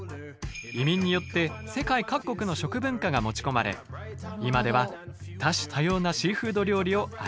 移民によって世界各国の食文化が持ち込まれ今では多種多様なシーフード料理を味わえるようになりました。